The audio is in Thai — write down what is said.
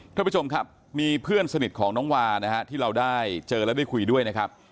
ท่านผู้ชมครับมีเพื่อนสนิทของน้องวานะฮะที่เราได้เจอและได้คุยด้วยนะครับ